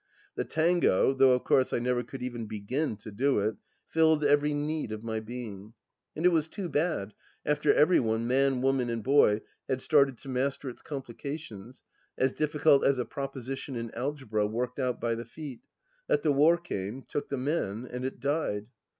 The Tango, though of course I never could even begin to do it, filled every need of my being. And it was too bad, after every one, man, woman, and boy, had started to master its complications, as difficult as a proposition in Algebra worked out by the feet, that the war came, took the men, and it died